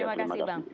terima kasih bang